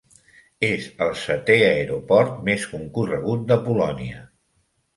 És el setè aeroport més concorregut de Polònia.